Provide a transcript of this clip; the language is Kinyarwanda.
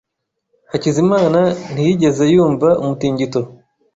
Hakizimana ntiyigeze yumva umutingito.